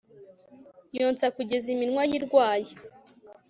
Yonsa kugeza iminwa ye irwaye